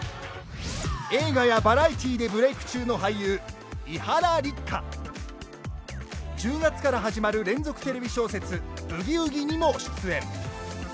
映画やバラエティーでブレーク中の俳優１０月から始まる連続テレビ小説「ブギウギ」にも出演！